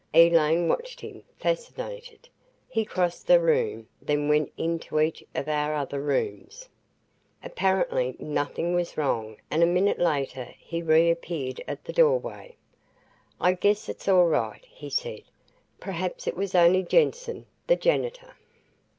Elaine watched him, fascinated. He crossed the room, then went into each of our other rooms. Apparently nothing was wrong and a minute later he reappeared at the doorway. "I guess it's all right," he said. "Perhaps it was only Jensen, the janitor."